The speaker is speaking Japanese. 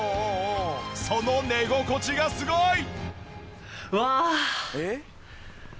その寝心地がすごい！